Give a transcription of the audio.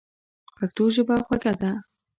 پښتو ژبه خوږه ده.